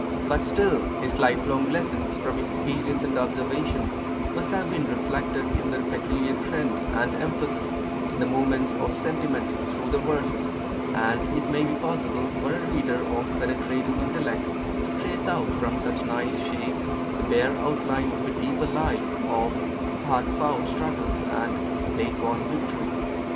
But still his life long lessons from experience and observation must have been reflected in their peculiar trend and emphasis in the movements of sentiment through the verses; and it may be possible for a reader of penetrative intellect to trace out from such nice shades the bare outline of a deeper life of hard fought struggles and late won victory.